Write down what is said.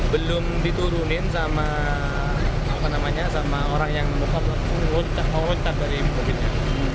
belum diturunin sama orang yang memukam langsung lontar dari mobilnya